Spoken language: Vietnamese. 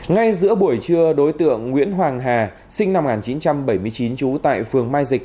ngay giữa buổi trưa đối tượng nguyễn hoàng hà sinh năm một nghìn chín trăm bảy mươi chín trú tại phường mai dịch